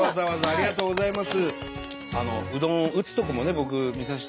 ありがとうございます。